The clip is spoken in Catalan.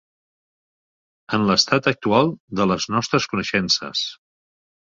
En l'estat actual de les nostres coneixences.